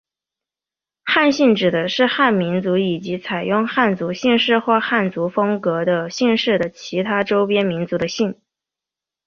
汉姓指的是汉民族以及采用汉族姓氏或汉族风格的姓氏的其他周边民族的姓。